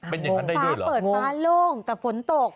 เป็นอย่างนั้นได้ฟ้าเปิดฟ้าโล่งแต่ฝนตก